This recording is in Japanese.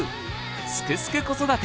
「すくすく子育て」